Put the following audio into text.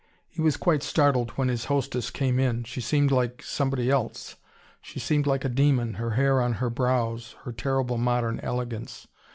He was quite startled when his hostess came in: she seemed like somebody else. She seemed like a demon, her hair on her brows, her terrible modern elegance.